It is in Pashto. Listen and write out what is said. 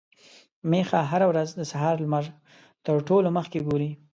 ميښه هره ورځ د سهار لمر تر ټولو مخکې ګوري.